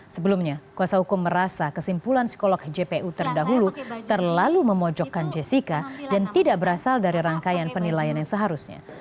sebelumnya kuasa hukum merasa kesimpulan psikolog jpu terdahulu terlalu memojokkan jessica dan tidak berasal dari rangkaian penilaian yang seharusnya